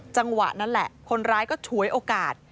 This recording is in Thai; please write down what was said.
จังหวะนั้นแหละคนร้ายก็ฉวยโอกาส